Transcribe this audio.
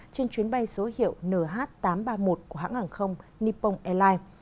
trên chuyến bay số hiệu nh tám trăm ba mươi một của hãng hàng không nippon airlines